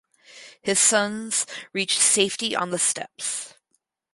His sons reached safety on the steppes.